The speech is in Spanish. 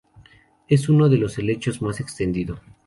Es uno de los helechos más extendido.